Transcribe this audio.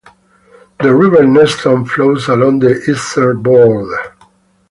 The river Nestos flows along the eastern border.